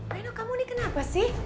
reno kamu nih kenapa sih